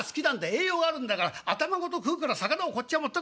栄養があるんだから頭ごと食うから魚をこっちへ持ってこい』。